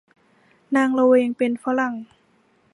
นางละเวงเป็นฝรั่ง